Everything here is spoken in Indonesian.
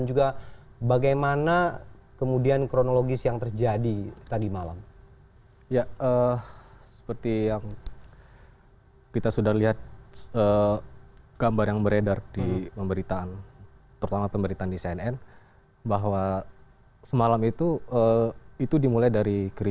jurnalis jurnalis indonesia tv dipaksa menghapus gambar yang memperlihatkan adanya keributan yang sempat terjadi di lokasi acara